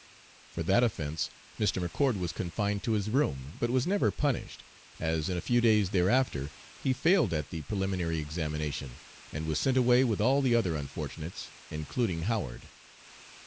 For that offence Mr. McCord was confined to his room, but was never punished, as in a few days thereafter he failed at the preliminary examination, and was sent away with all the other unfortunates, including Howard.